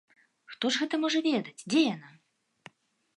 Хто ж гэта можа ведаць, дзе яна?